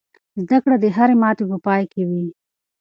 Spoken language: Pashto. زده کړه د هرې ماتې په پای کې وي.